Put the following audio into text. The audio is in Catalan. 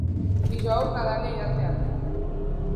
Dijous na Dàlia irà al teatre.